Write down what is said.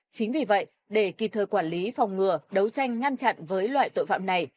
chính vì vậy để kịp thời quản lý phòng ngừa đấu tranh ngăn chặn với loại tội phạm này